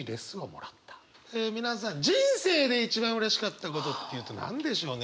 え皆さん人生で一番うれしかったことっていうと何でしょうね？